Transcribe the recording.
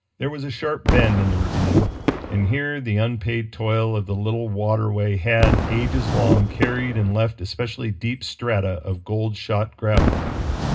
There was a sharp bend in the ravine, and here the unpaid toil of the little waterway had, ages long, carried and left especially deep strata of gold shot gravel.